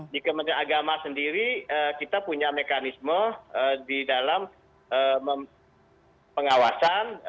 di kementerian agama sendiri kita punya mekanisme di dalam pengawasan